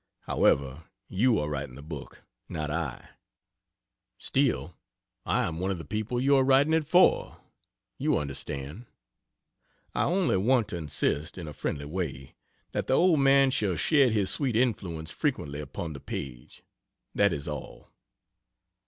(However, you are writing the book, not I still, I am one of the people you are writing it for, you understand.) I only want to insist, in a friendly way, that the old man shall shed his sweet influence frequently upon the page that is all.